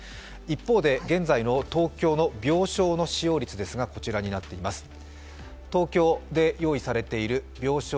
一方で現在の東京の病床の使用率こちらになっています。